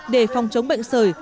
để phòng chống bệnh sởi